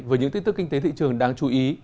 với những tin tức kinh tế thị trường đáng chú ý